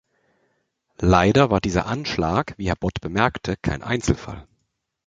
Leider war dieser Anschlag, wie Herr Bot bemerkte, kein Einzelfall.